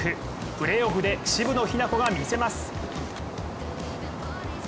プレーオフで渋野日向子が見せます。